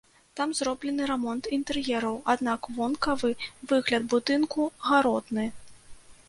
Там зроблены рамонт інтэр'ераў, аднак вонкавы выгляд будынку гаротны.